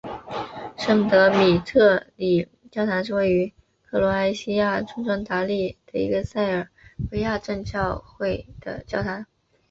圣德米特里教堂是位于克罗埃西亚村庄达利的一个塞尔维亚正教会的教堂。